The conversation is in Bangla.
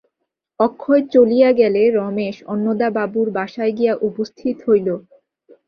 অক্ষয় চলিয়া গেলে রমেশ অন্নদাবাবুর বাসায় গিয়া উপস্থিত হইল।